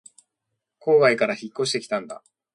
郊外から引っ越してきたんだ